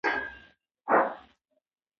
ایا ستا ورور له پوهنتون څخه فارغ شوی دی؟